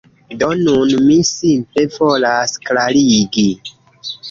Do, nun mi simple volas klarigi